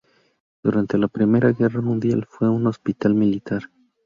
Durante la primera guerra mundial fue un hospital militar.